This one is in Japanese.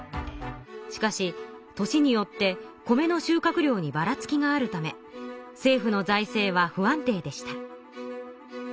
しかし年によって米の収穫量にバラつきがあるため政府の財政は不安定でした。